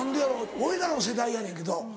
俺らの世代やねんけど。